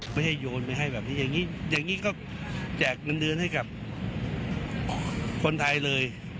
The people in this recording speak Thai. โยนไปให้แบบนี้อย่างนี้ก็แจกเงินเดือนให้กับคนไทยเลย